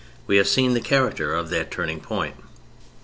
We have seen the character of that turning point.